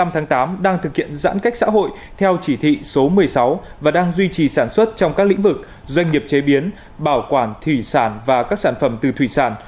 một mươi tháng tám đang thực hiện giãn cách xã hội theo chỉ thị số một mươi sáu và đang duy trì sản xuất trong các lĩnh vực doanh nghiệp chế biến bảo quản thủy sản và các sản phẩm từ thủy sản